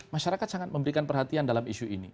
masyarakat sangat memberikan perhatian dalam isu ini